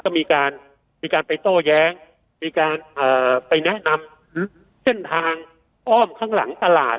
ก็มีการไปโต้แย้งมีการไปแนะนำเส้นทางอ้อมข้างหลังตลาด